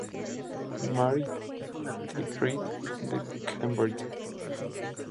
Mary The Great de Cambridge.